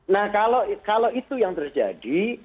nah kalau itu yang terjadi